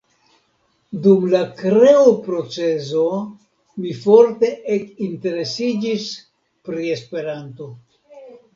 Dum la kreo-procezo mi forte ekinteresiĝis pri Esperanto.